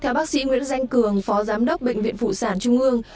theo bác sĩ nguyễn danh cường phó giám đốc bệnh viện phụ sản trung ương